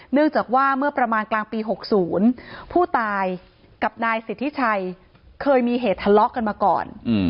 เนื่องจากว่าเมื่อประมาณกลางปี๖๐ผู้ตายกับนายสิทธิชัยเคยมีเหตุทะเลาะกันมาก่อน